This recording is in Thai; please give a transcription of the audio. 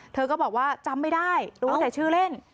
เธอก็บอกว่าจำไม่ได้รู้แต่ชื่อเล่น